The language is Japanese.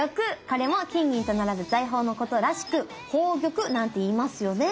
これも金銀と並ぶ財宝のことらしく「宝玉」なんて言いますよね。